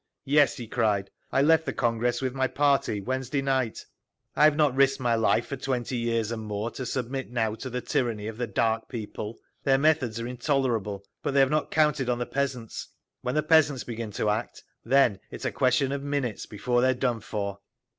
"Yes!" he cried. "I left the Congress with my party Wednesday night. I have not risked my life for twenty years and more to submit now to the tyranny of the Dark People. Their methods are intolerable. But they have not counted on the peasants…. When the peasants begin to act, then it is a question of minutes before they are done for."